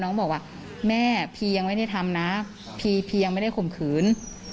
บอกว่าแม่พียังไม่ได้ทำนะพีพียังไม่ได้ข่มขืน